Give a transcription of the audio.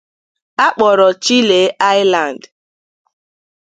a kpọrọ Chile Island